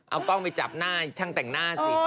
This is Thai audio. เอากล้องไปจับหน้าช่างแต่งหน้าสิ